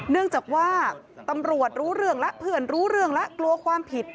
เนื่องจากว่าตำรวจรู้เรื่องแล้วเพื่อนรู้เรื่องแล้วกลัวความผิด